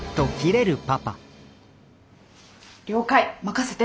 了解任せて！